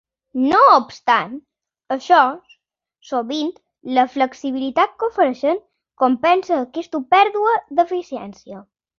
No obstant això, sovint la flexibilitat que ofereixen compensa aquesta pèrdua d'eficiència.